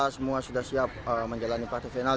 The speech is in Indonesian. semua sudah siap menjalani partai final